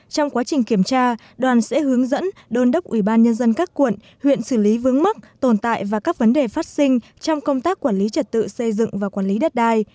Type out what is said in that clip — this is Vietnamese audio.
trong quá trình kiểm tra đoàn sẽ hướng dẫn đôn đốc ubnd các quận huyện xử lý vướng mắc tồn tại và các vấn đề phát sinh trong công tác quản lý trật tự xây dựng và quản lý đất đai